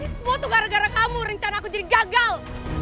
semua tuh gara gara kamu rencana aku jadi gagal